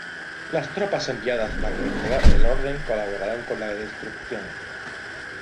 Las tropas enviadas para restaurar el orden colaboraron con la destrucción.